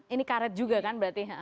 ini karet juga kan berarti